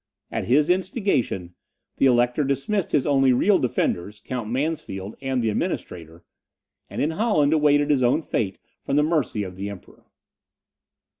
At his instigation, the Elector dismissed his only real defenders, Count Mansfeld and the Administrator, and in Holland awaited his own fate from the mercy of the Emperor.